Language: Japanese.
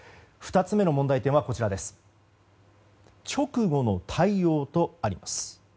２つ目の問題点は直後の対応とあります。